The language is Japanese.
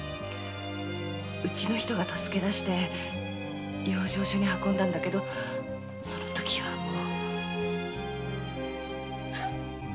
うちの人が助け出して養生所に運んだんだけどその時はもう。